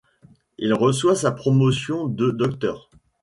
Il reçoit sa promotion de Dr.